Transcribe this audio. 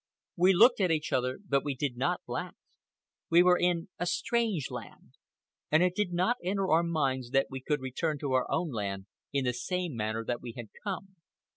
We looked at each other, but we did not laugh. We were in a strange land, and it did not enter our minds that we could return to our own land in the same manner that we had come.